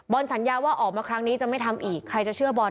สัญญาว่าออกมาครั้งนี้จะไม่ทำอีกใครจะเชื่อบอล